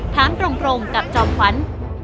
ถามตรงกับจอมขวัญ